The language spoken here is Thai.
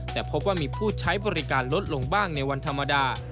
แต่พบว่ามีผู้ใช้บริการลดลงบ้างในวันธรรมดา